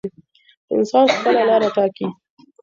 انسان خپله لاره ټاکي.